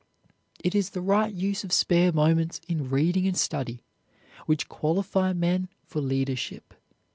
It is the right use of spare moments in reading and study which qualify men for leadership.